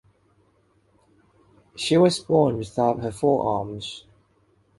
She was born without her forearms.